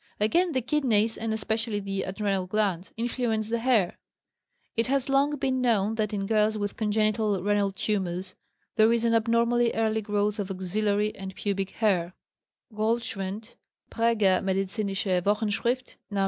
Again, the kidneys, and especially the adrenal glands, influence the hair. It has long been known that in girls with congenital renal tumors there is an abnormally early growth of axillary and pubic hair; Goldschwend (Präger medizinische Wochenschrift, Nos.